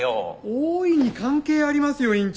大いに関係ありますよ院長！